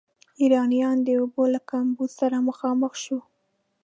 ایرانیانو د اوبو له کمبود سره مخامخ شو.